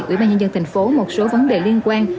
ủy ban nhân dân tp hcm một số vấn đề liên quan